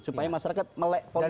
supaya masyarakat melek politik